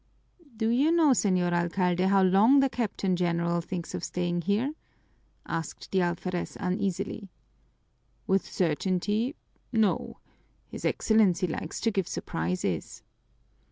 "Do you know, Señor Alcalde, how long the Captain General thinks of staying here?" asked the alferez uneasily. "With certainty, no. His Excellency likes to give surprises."